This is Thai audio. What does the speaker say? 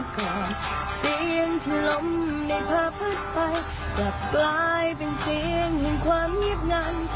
กลับกลายเป็นเสียงให้ความเงียบงั้น